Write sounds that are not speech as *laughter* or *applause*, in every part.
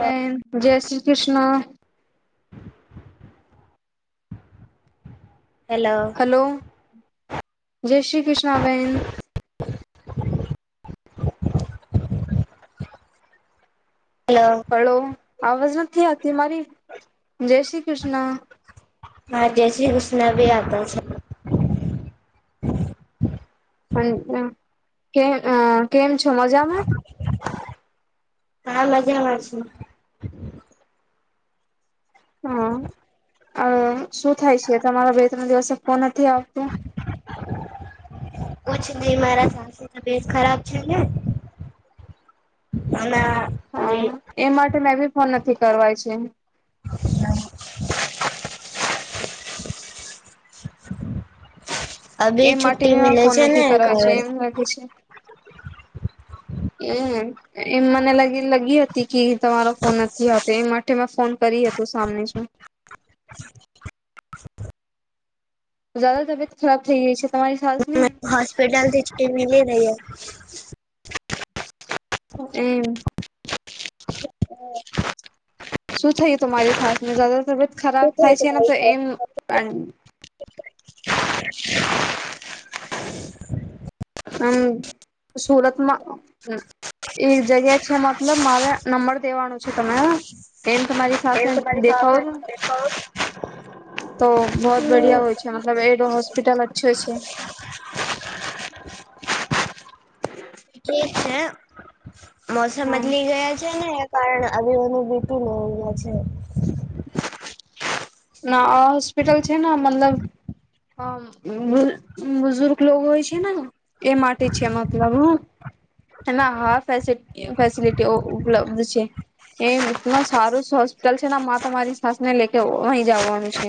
બેન, જય શ્રી કૃષ્ણ. હલો. જય શ્રી કૃષ્ણ, બેન. હેલો હાડો. આવાજ નથી, આ. હા જય શ્રી ક્રિષ્ના, બી આતો. *unintelligible* *unintelligible* કે આ કેમ. સમજામા. હા, મજામા છ. હા. અ શું થાય છે તમારા બે ત્રણ દિવસે ફોન નથી આવતોું? કછ દ મારા સાસ તબિયત ખરાબ છે ને. હ ના હા એ માટે મેં બી નથી કરવાય છે. ના *inaudible* એ અભી માટે છુટ્ટી બીમાં મિલે ફોન છે ને નથી ક છે એમ લાગે છે. એ એમ મને લાગી લગી લગી હતી કે તમારો ફોન નથી આવતો એ માટે મેં ફોન કરી હતો સામનેથી. જ્યાદા તબિયત ખરાબ થઈ ગઈ છે. તમારી સાસની મને હોસ્પિટલથી જ ટીમ મળી. *inaudible* એમ? હા. શું થયું તમારી સાસને જ્યાદા તબિયત ખરાબ શું થયું થાય છેને તો એમ હમ સુરતમાં હ એક જગ્યા છે મતલબ મારે નંબર દેવાનું છે તમે હ. એમ તમારી એ સા તમારી દેખાવો છો તો બહુત બધિયા હોય છે મતલબ એડ હોસ્પિટલ અચ્છો છે. એ છે. મોસમ હા બદલી ગયા છે ને. કારણ આજે મારુ *inaudible* ના આ હોસ્પિટલ છેને મતલબ બુઝુર્ગ લોકો હોય છે, ને એ માટે છે મતલબ હ એ હા ફેસિલિટી ઉપલબ્ધ છે. એ સારું હોસ્પિટલ છે તમારી સાસને લે અહી જવાનું છે,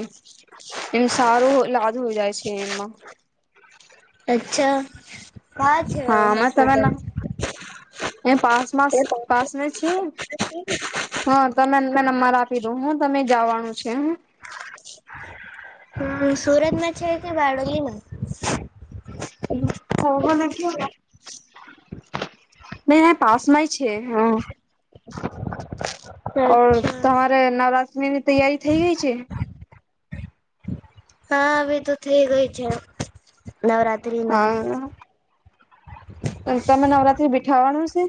એમ સારું લાદ જાય છે એમાં અચ્છા કા છે અવું હામાં હોસ્પિટલ. તમે એ પાસમાસ પાસમે છે હા તમે નંબર આપી દઉ હું તમે જવાનું છે હ હમ સુરતમાં છે કે બારડોલીમાં *unintelligible* ન ના પાસમાંય છે હા ઓ અચ્છા તમારે નવરાત ને ની તૈયારી થઈ ગઈ છે? હા વી તો થઈ ગય છે નવરાત્રિના હા તમે નવરાત્રી બીઠાવાનું છે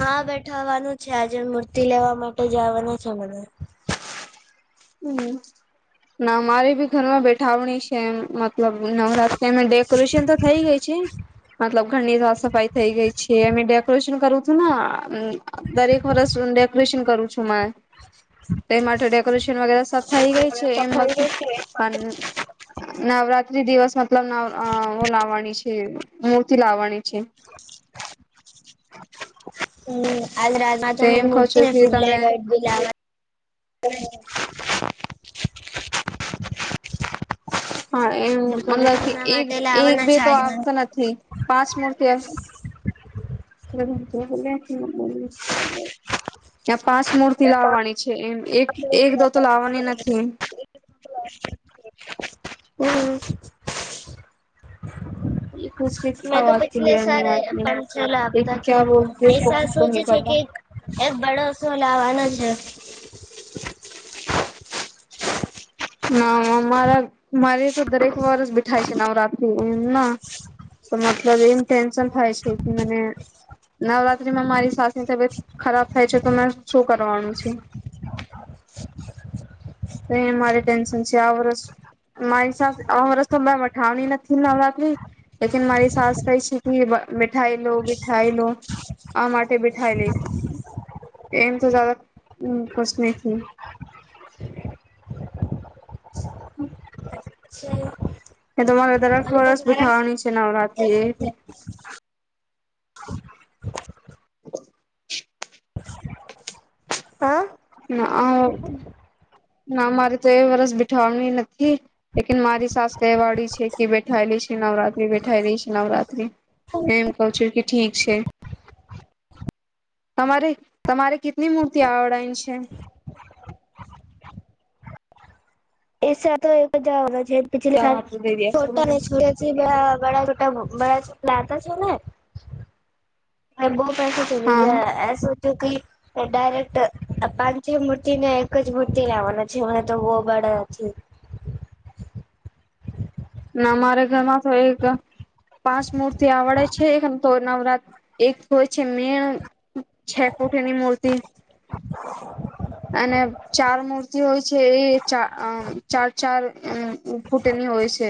હા બેઠાવાનું છે આજે મૂર્તિ લેવા માટે જવાનુ છે મને હમ ના મારી બી ઘરમાં બેઠાવણી છે એ મતલબ નવરાત તેમાં ડેકોરેશન તો થઈ ગઈ છે મતલબ ઘરની સાફ સફાઈ થઈ ગઈ છે અ ડેકોરેશન કરું છું ને દરેક વર્ષ ડેકોરેશન કરું છું મે એ માટે ડેકોરેશ વગેરે સબ થઈ ગઈ થઇ પણ જશે નવરાત્રી દિવસ મતલબવ લાવાની છે મૂર્તિ લાવવાની છે તો એમ કહો છો કે તમે *unintelligible* હા એમ મતલબ ડેકોરેશન કે ના એક માટે એક લાવવાના બે છે તો આજ મને. આવતો નથી પાંચ મર્ ત્યા પાંચ મૂર્તિ લાવવાની છે એમ *inaudible* એક એકદા તો લવાનીના કે *inaudible* હમ. એ *inaudible* મેં તો પિછલે સ પલા આપતા છે સલ સોચે છે કે એ બળ *inaudible* છોલાવા નજ *inaudible* નામારા મારે તો દરેક વરષ બ બેઠાય છે નવરાતિ એમ ના તો મતલબ એમ ટેન્શન થાય છે કે મને નવરાત્રીમાં મારી સાસની તબિયત ખરાબ થાય છે તો મે શું કરવાનું છે. મારી ટેન્શન છે આ વર્ષ મારી સાસ આ વરષ તો મઠાવની નથી લકલી લે મારી સાસ કઈ છે કે મઠાઈ લો બઠાઈ લો આ માટે બઠાઈ લઈશ એમ તો ખુશ નથી હમ. એ તો માગ ત્યારે અરે વર્સ બ તમારા બેઠાવાની છે નવરાત્ર *unintelligible* *unintelligible* હા. ના ના મારે તો એ વરષ બેઠાની નથી લેન મારી સાસ કહેવાળડી છે કે બેઠાયેલી છે નવરાત્રી બેઠાયલી છે નવરાત્રી એમ કઉ છું કે ઠીક છે તમારે તમારે કેટલી મૂર્તિ આવડ છે છે *unintelligible* પિછલી જવા સ આપું દઈ દે છોટા ખરું. ને છડ છે બ બ *unintelligible* હ બોલ. પછી ચલી હા જાય એ જો ક ડાયરેક્ટ પાંચ છે મૂર્તિને એક જ મૂર્તિ લાવવાના છે મને તો હોબાળ નથી. અમારે ઘરમાં તો એક પાંચ મૂર્તિ આવડે છે તો નવરાત્ર એક હોય છે મેણ છ ફૂટ એની મૂર્તિ અને ચાર મૂર્તિ હોય છે એ ચ ચાર ચાર ફૂટેની હોય છે.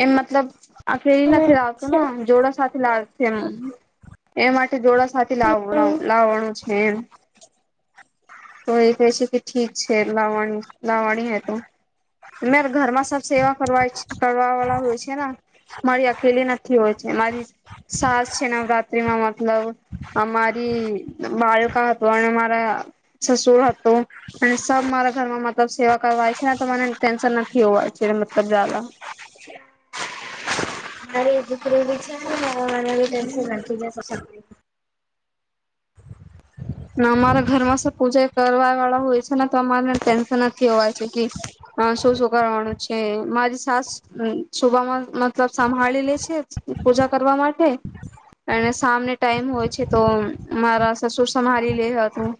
એ મતલબ આખે એ નથી લાવતુંને જોડા સાથે લાવતી એમ એ માટે જોડા સાથે લાવ લાવવાનું છે. એમ તો એ કહે છે કે ઠીક છે લાવવાની લાવવાની હ તોરે ઘરમાં સ સેવા કરવાય છે કરવા વાળા હોય છે ને મારી અકેલી નથી હોય છે. મારી સાસ છે નવરાત્રીમાં મતલબ મારી બાળક હતું અને મારા સસુર હતું અને સબ મારા ઘરમાં મતલબ સેવા કરવાય છે ને તો મને ટેન્શન નથી હોવાય છે મતલબ મારે ઘરે પડી છે. *unintelligible* અમારા ઘરમાં સર પૂજા કરવા વાળા હોય છે ને તો અમારે ટેન્શન નથી હોવાય છે કે શું શું કરવાનું છે મારી સાસ સુભામાં મતલબ સંભાળી લે છે પૂજા કરવા માટે અને સામને ટાઈમ હોય છે તો મારા સસુર અમારે લીએ હતું.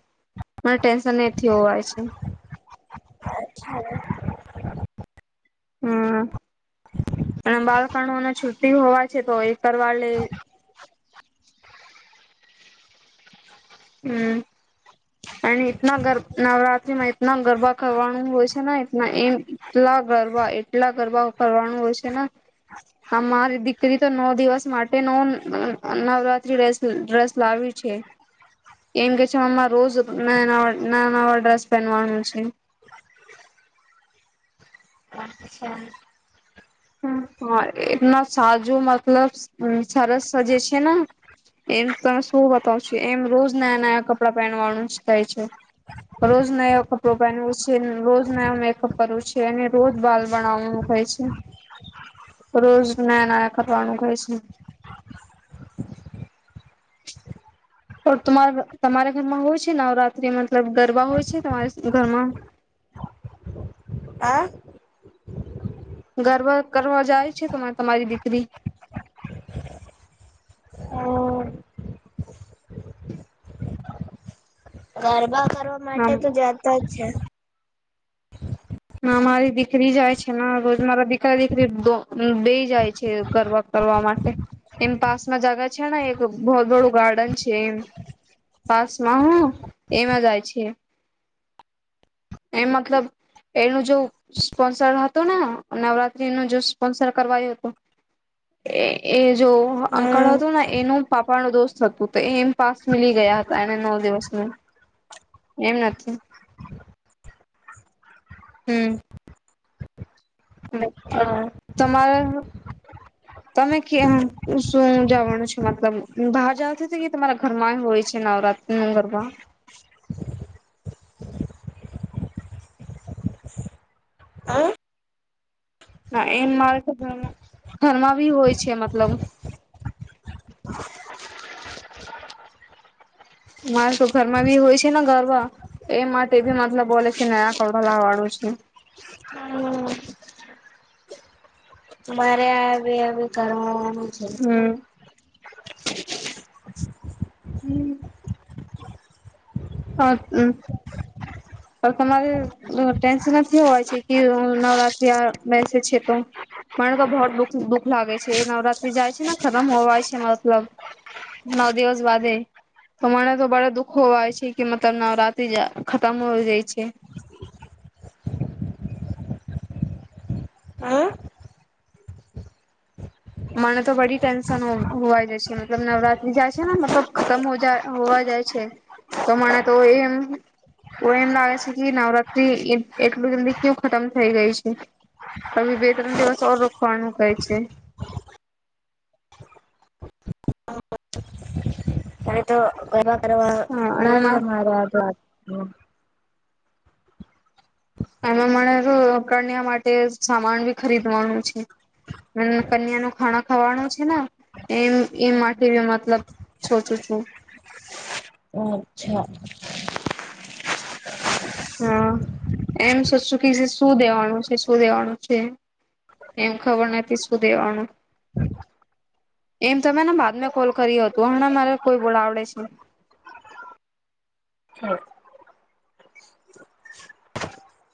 મને ટેન્શન એ થયું હોય છે. અચ્છા હમ અને બાળકોને છુ્ટી હોવાય છે તો એ કરવા લે. હમ અને એટલા નવરાત્રીમાં એટના ગરબા કરવાનું હોય છે ને એના એમ એટલા ગરબા એટલા ગરબા કરવાનું હોય છે ને આ મારી દીકરી તો નવ દિવસ માટે ન નવરાત્રી ડ્રેસ લાવ છે એમ કેહે છે અમાં રોજ ના નવા ડ્રેસ પહેનવાનો છે. *inaudible* હા એટના સાજો મતલબ સરસ સ જે છે ને એમ તને શું બતાવ છો એમ રોજ નયા નયા કપડાં પહેનવાનું જ કહે છે. રોજ નયો કપડો પહેનવું છે રોજ નયો મેકઅપ કરવું છે અને રોજ બાલ બનાવવાનું કહે છે. રોજ નાયા નાયા કરવાનું કેય છે. રા તમારા ઘરમાં હોય છે નવરાત્રિ મતલબ ગરબા હોય છે તમારે ઘરમાં? હા. ગરબ કરવા જાય છે તરે તમારી દીકરી *inaudible* ગરબા કરવા માટે આમ તો જાતા જ છે. ના મારી દીકરી જાય છે ને રોજ મારા દીકરા દીકરી બેઈ જાય છે ગરબ કરવા માટે. એમ પાસમાં જાગા છે ને એક બ બડું ગાર્ડન છે એમ પાસમાં હ એમાં જાય છે એ મતલબ એનું જો સ્પોન્સર હતું ને નવરાત્રીનું સ્પોન્સર કરવાયું હતું એ એ જો અંકળ હમ હતું ને એનું પાપા ન દોસ્ત હતું તો એમ પાસ મિલી ગયા હતા એને નવ દિવસ ન એમ નથી હમ. અચ્છા તમારે તમે ક્યાં શું જવાનું છે મતલબ બહાર જતા કે તમારા ઘરમાં હોય છે નવરાત્રિ ના ગરબા? હમ ના એમ મારે તો ઘર ઘરમાં બી હોય છે મતલબ. મારે તો ઘરમાં બી હોય છે ને ગરવા એ માટે બી મતલબ બોલે છે નયા કપડા લાવવાનું છે. મારે આ *inaudible* *unintelligible* હમ હમ્મ. સાચું. પણ તમારે ટેન્શન નથી હોવાય છે કે નવરાત્રી આ બેસે છે તો મને તો બહ દુખ દુઃખ લાગે છે. નવરાત્રી જાય છે ને ખતમ હોવાય છે. મતલબ નવ દિવસ બાદે તો મને તો બડે દુઃખ હોવાય છે કે મતલબ નવરાત્રી ખતમ હો જાય છે. મને તો બધી ટેન્શન હોવા જાય છે. મતલબ નવરાત્રી જાય છે ને મતલબ ખતમ હો હોવા જાય છે તો મને તો એમ એમ લાગે છે કે નવરાત્રી એ એટલું જી કયું ખતમ થઈ ગઈ છે. હવ બે ત્રણ દિવસ ઓર રોખવાનું કહે છે. ત્યારે તો કર અ હા અને ના છે એમાં મારે આદ વાત. *unintelligible* એમાં મન કન્યા માટે સામાન બી ખરીદવાનું છે. કન્યા નુ ખાણા ખાવાનું છે ને એમ એમ માટે મતલબ સોચું છું. અચ્છા. હા, એમ સાચું કે શું દેવાનું છે શું દેવાનું છે? એમ ખબર નથી શું દેવાનું. એમ તમે બાદ મે કોલ કર્યો હતું હમણા મારે કોઈ બોલા આવડે છે.